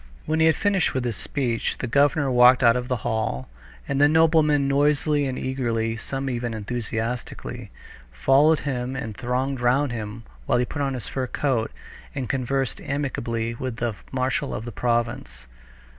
When he had finished with his speech, the governor walked out of the hall, and the noblemen noisily and eagerly—some even enthusiastically—followed him and thronged round him while he put on his fur coat and conversed amicably with the marshal of the province.